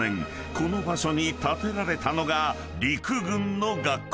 この場所に建てられたのが陸軍の学校］